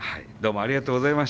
ありがとうございます。